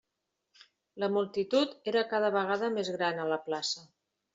La multitud era cada vegada més gran a la plaça.